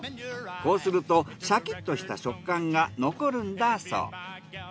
こうするとシャキッとした食感が残るんだそう。